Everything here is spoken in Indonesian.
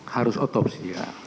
harus otopsi ya